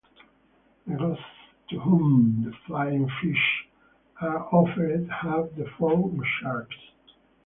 The ghosts to whom the flying-fish are offered have the form of sharks.